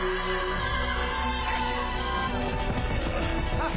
あっ！